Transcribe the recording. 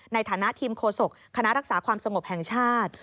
ในฐานะทีมโคศกคณะรักษาความสงบแห่งชาติ